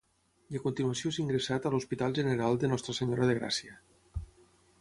I a continuació és ingressat a l'Hospital General de Nostra Senyora de Gràcia.